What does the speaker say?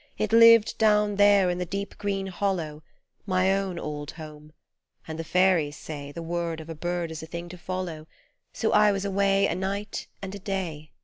It lived down there in the deep green hollow, My_pwnj>ld_home, and the fairies say The word of a bird is a thing to follow, So I was away a night and a day.